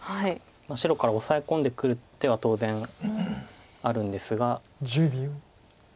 白からオサエ込んでくる手は当然あるんですが。